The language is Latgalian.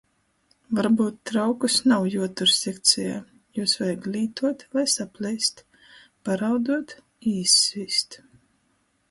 Varbyut traukus nav juotur sekcejā, jūs vajag lītuot, lai sapleist, - parauduot i izsvīst.